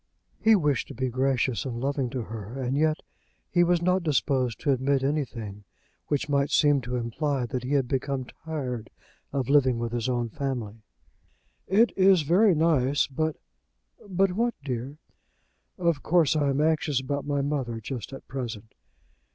He wished to be gracious and loving to her, and yet he was not disposed to admit anything which might seem to imply that he had become tired of living with his own family. "It is very nice, but " "But what, dear?" "Of course I am anxious about my mother just at present."